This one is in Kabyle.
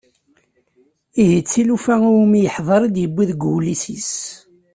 Ihi d tilufa iwumi yeḥḍer i d-yewwi deg wullis-is.